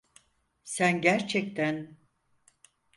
Sen gerçekten…